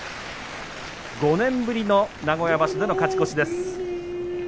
５年ぶりの名古屋場所での勝ち越しです。